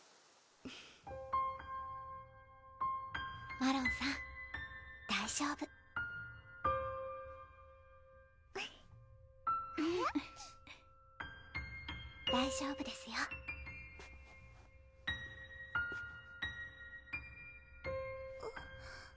マロンさん大丈夫フフッフフッ大丈夫ですよあっ